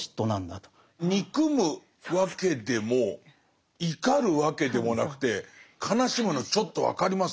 憎むわけでも怒るわけでもなくて悲しむのちょっと分かります。